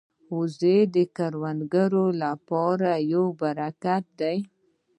وزې د کروندګرو لپاره یو برکت دي